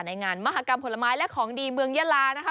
ในงานมหากรรมผลไม้และของดีเมืองยาลานะคะ